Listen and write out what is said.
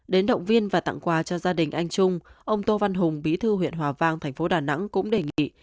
đến động viên và tặng quà cho gia đình anh trung ông tô văn hùng bí thư huyện hòa vang thành phố đà nẵng cũng đề nghị